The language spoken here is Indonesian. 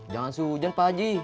jangan sujen pak haji